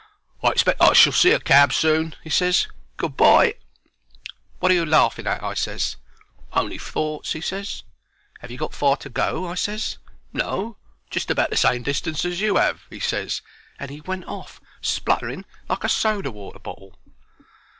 "I expect I shall see a cab soon," he ses. "Good bye." "Wot are you laughing at?" I ses. "On'y thoughts," he ses. "'Ave you got far to go?' I ses. "No; just about the same distance as you 'ave," he ses, and he went off spluttering like a soda water bottle.